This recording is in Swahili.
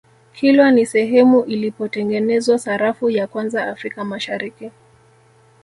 kilwa ni sehemu ilipotengenezwa sarafu ya kwanza africa mashariki